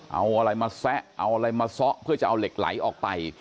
เอาอะไรมาแซะเอาอะไรมาซะเพื่อจะเอาเหล็กไหลออกไป